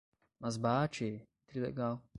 Mas bah tchê, trilegal